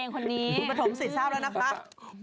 ประถมศิษย์ชาวแล้วนะครับ